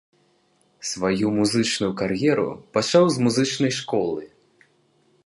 Сваю музычную кар'еру пачаў з музычнай школы.